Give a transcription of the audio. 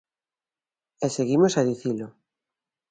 E seguimos a dicilo.